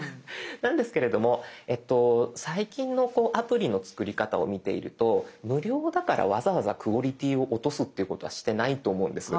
なんですけれども最近のアプリの作り方を見ていると無料だからわざわざクオリティーを落とすっていうことはしてないと思うんです。